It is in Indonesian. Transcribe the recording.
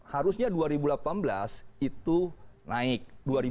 harusnya dua ribu delapan belas itu naik